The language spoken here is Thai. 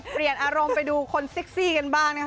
เปลี่ยนอารมณ์ไปดูคนเซ็กซี่กันบ้างนะคะ